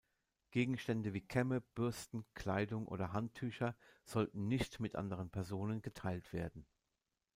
Gegenstände wie Kämme, Bürsten, Kleidung oder Handtücher sollten nicht mit anderen Personen geteilt werden.